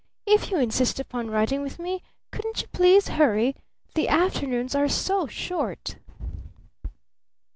"If you insist upon riding with me, couldn't you please hurry? The afternoons are so short!"